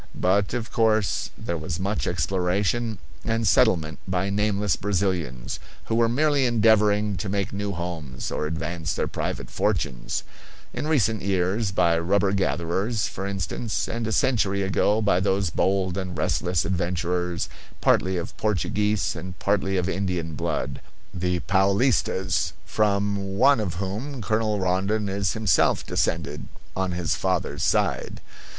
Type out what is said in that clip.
But, of course, there was much exploration and settlement by nameless Brazilians, who were merely endeavoring to make new homes or advance their private fortunes: in recent years by rubber gatherers, for instance, and a century ago by those bold and restless adventurers, partly of Portuguese and partly of Indian blood, the Paolistas, from one of whom Colonel Rondon is himself descended on his father's side.